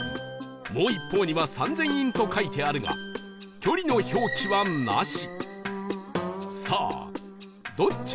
もう一方には三千院と書いてあるが距離の表記はなし